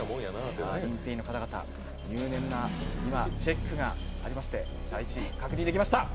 認定員の方々、入念なチェックが今ありまして、確認ができました。